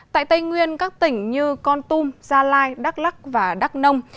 tại tây nguyên các tỉnh như con tum gia lai đắk lắc và đắk nông